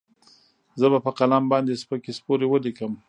زه به په قلم باندې سپکې سپورې وليکم.